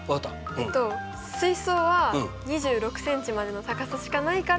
えっと水槽は２６ｃｍまでの高さしかないから。